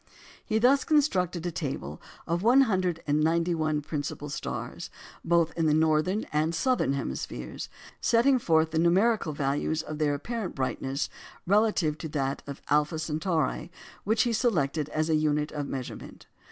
He thus constructed a table of 191 of the principal stars, both in the northern and southern hemispheres, setting forth the numerical values of their apparent brightness relatively to that of Alpha Centauri, which he selected as a unit of measurement.